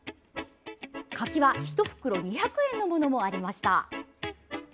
柿は１袋２００円のものもありました。